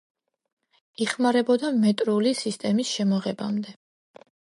იხმარებოდა მეტრული სისტემის შემოღებამდე.